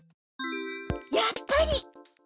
やっぱり！